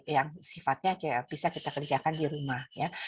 yang sifatnya bisa kita kerjakan di rumah ya